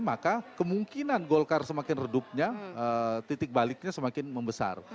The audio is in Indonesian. maka kemungkinan golkar semakin redupnya titik baliknya semakin membesar